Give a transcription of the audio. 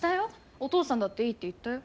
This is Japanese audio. お父さんだっていいって言ったよ。